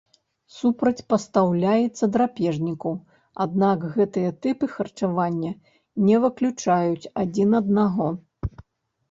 Супрацьпастаўляецца драпежніку, аднак гэтыя тыпы харчавання не выключаюць адзін аднаго.